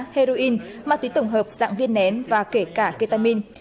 heroin ma túy tổng hợp dạng viên nén và kể cả ketamin